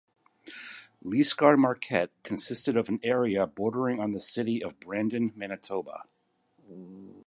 Lisgar-Marquette consisted of an area bordering on the City of Brandon, Manitoba.